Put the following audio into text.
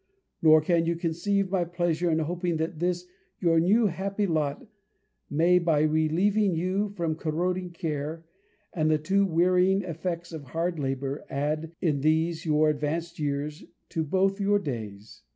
Nor can you conceive my pleasure in hoping that this your new happy lot may, by relieving you from corroding care, and the too wearying effects of hard labour, add, in these your advanced years, to both your days.